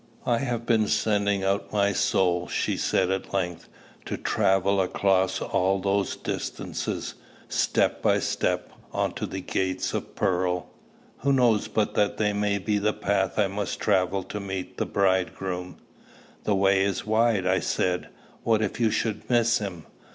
"I have been sending out my soul," she said at length, "to travel all across those distances, step by step, on to the gates of pearl. Who knows but that may be the path I must travel to meet the Bridegroom?" "The way is wide," I said: "what if you should miss him?"